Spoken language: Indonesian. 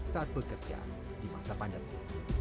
saat bekerja di masa pandemi